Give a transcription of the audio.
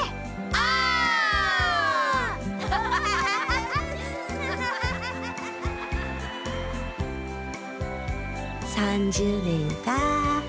オッ！３０年かあ。